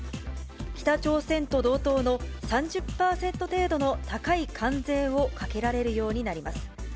北朝鮮と同等の３０％程度の高い関税をかけられるようになります。